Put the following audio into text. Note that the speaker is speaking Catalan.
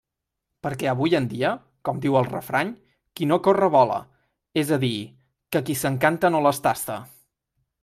Perquè avui en dia, com diu el refrany, qui no corre vola, és a dir, que qui s'encanta no les tasta.